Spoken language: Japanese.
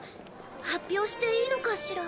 発表していいのかしら。